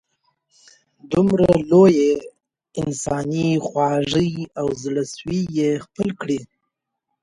دومره لویې انسانې خواږۍ او زړه سوي یې خپل کړي.